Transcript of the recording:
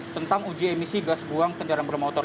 tentang uji emisi gas buang kendaraan bermotor